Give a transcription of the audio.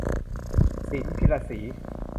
ศิลป์ พีระศรี